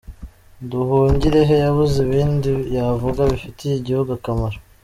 Nduhungirehe yabuze ibindi yavuga bifitiye igihugu akamaro?.